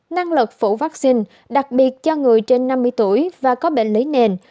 năng lực phủ vaccine đặc biệt cho người trên năm mươi tuổi và có bệnh lấy nền